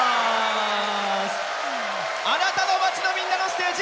あなたの街の、みんなのステージ。